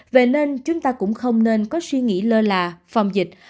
vậy nên chúng ta cũng không nên có suy nghĩ lơ là phòng dịch